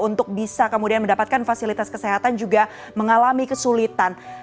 untuk bisa kemudian mendapatkan fasilitas kesehatan juga mengalami kesulitan